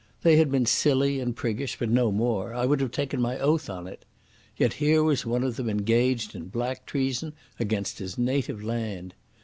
They had been silly and priggish, but no more—I would have taken my oath on it. Yet here was one of them engaged in black treason against his native land.